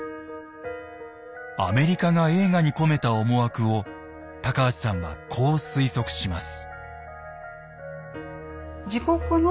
アメリカが映画に込めた思惑を高橋さんはこう推測します。